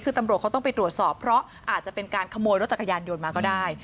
คือตำรวจเขาต้องไปตรวจสอบเพราะอาจจะเป็นการขโมยรถจักรยานยนต์มาก็ได้